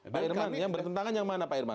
pak irman yang bertentangan yang mana pak irman